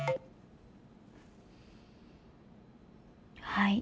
はい。